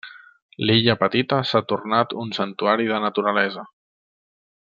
L'illa petita s'ha tornat un santuari de naturalesa.